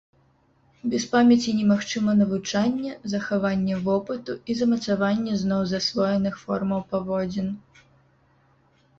Без памяці немагчыма навучанне, захаванне вопыту і замацаванне зноў засвоеных формаў паводзін.